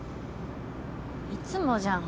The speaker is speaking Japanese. いつもじゃん